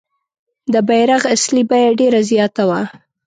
د بیرغ اصلي بیه ډېره زیاته وه.